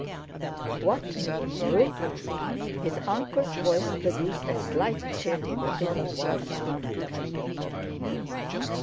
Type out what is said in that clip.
"What made you?" His uncle's voice produced a slight chill in the pit of Val's stomach.